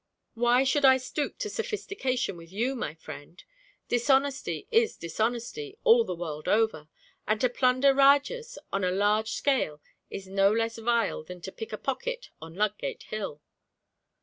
'Why should I stoop to sophistication with you, my friend. Dishonesty is dishonesty all the world over; and to plunder Rajahs on a large scale is no less vile than to pick a pocket on Ludgate Hill.'